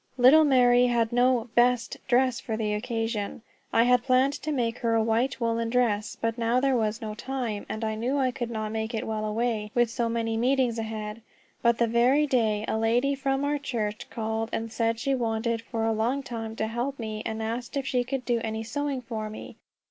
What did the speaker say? Little Mary had no "best" dress for the occasion. I had planned to make her a white woolen dress, but now there was no time; and I knew I could not make it while away, with so many meetings ahead. But, that very day, a lady from our church called and said she had wanted for a long time to help me, and asked if she could do any sewing for me.